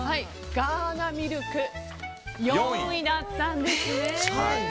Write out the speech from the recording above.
ガーナミルクは４位だったんですね。